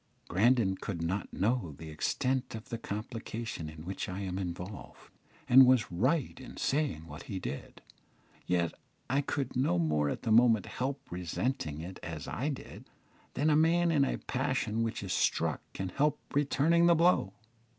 Grandon could not know the extent of the complication in which I am involved, and was right in saying what he did; yet I could no more at the moment help resenting it as I did, than a man in a passion who is struck can help returning the blow.